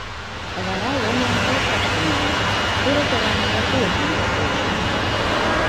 Вара Ломлан полшаш тӱҥална, курык ора наре пуым нумал пуышна.